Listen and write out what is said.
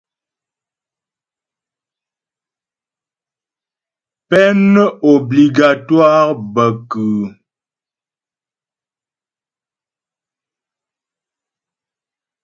Peine obligatoire bə kʉ́ʉ́ ?